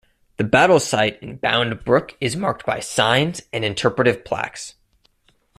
The battle site in Bound Brook is marked by signs and interpretive plaques.